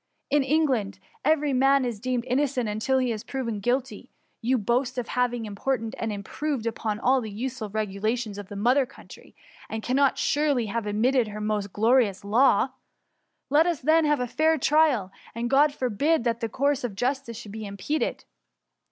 In Eng* laadv every man is deemed innocent until he be proved guilty. You boast of having imported and improved upon all the useful regulations of the mother country, and cannot surely have omitted her most glorious law. Let us then have a fair trial, and Grod forbid that the course Qf justice should be impeded